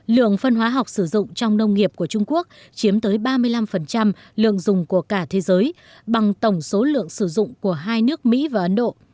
lượng phân hóa học sử dụng trong nông nghiệp của trung quốc chiếm tới ba mươi năm lượng dùng của cả thế giới bằng tổng số lượng sử dụng của hai nước mỹ và ấn độ